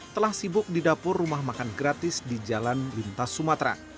telah sibuk di dapur rumah makan gratis di jalan lintas sumatera